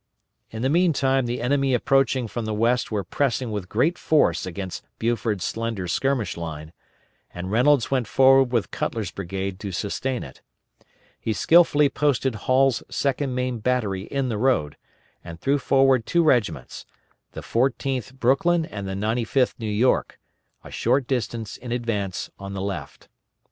In the meantime the enemy approaching from the west were pressing with great force against Buford's slender skirmish line, and Reynolds went forward with Cutler's brigade to sustain it. He skilfully posted Hall's 2d Maine battery in the road, and threw forward two regiments, the 14th Brooklyn and the 95th New York, a short distance in advance on the left.